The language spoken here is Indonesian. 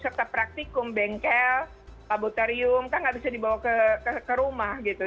serta praktikum bengkel laboratorium kan nggak bisa dibawa ke rumah gitu